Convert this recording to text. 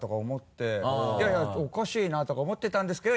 いやいやおかしいなとか思ってたんですけど